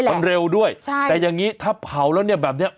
แต่แต่อย่างนี้ถ้าเผาแล้วนี่แบบนี้